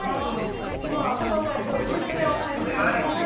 では佐藤会長封じ手を開封してください。